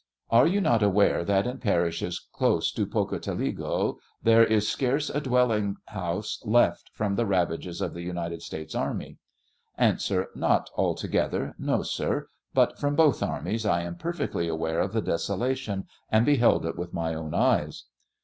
Are you not aware that in parishes close to Poco taligQ there is scarce a dwelling house left from the ravages of the United States army ? A. Not altogether ; no, sir; but from both armies; I am perfectly aware of the desolation, and beheld it with my own eyes.